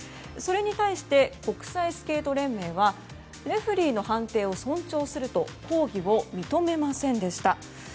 それに対して国際スケート連盟はレフェリーの判定を尊重すると抗議を認めませんでした。